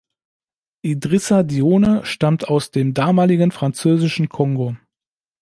Idrissa Dione stammt aus dem damaligen französischen Kongo.